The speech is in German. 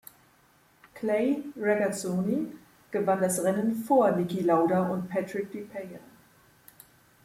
Clay Regazzoni gewann das Rennen vor Niki Lauda und Patrick Depailler.